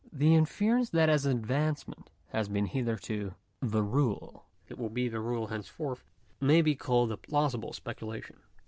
The inference that as advancement has been hitherto the rule, it will be the rule henceforth, may be called a plausible specu lation.